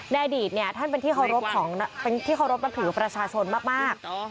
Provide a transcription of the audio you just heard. ในอดีตเนี่ยท่านเป็นที่เคารพนักผิวประชาชนมาก